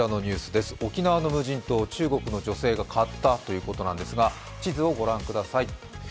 沖縄の無人島、中国の女性が買ったということですが地図をご覧ください。